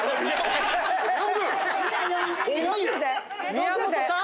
宮元さん？